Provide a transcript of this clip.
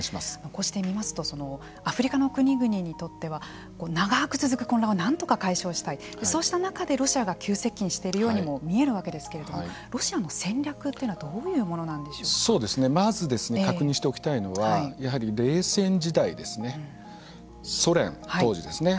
こうして見ますとアフリカの国々にとっては長く続く混乱をなんとか解消したいそうした中でロシアが急接近しているようにも見えるわけですけれどもロシアの戦略はまず確認しておきたいのはやはり冷戦時代ですねソ連、当時ですね。